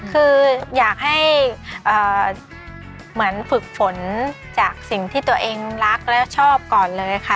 คืออยากให้เหมือนฝึกฝนจากสิ่งที่ตัวเองรักและชอบก่อนเลยค่ะ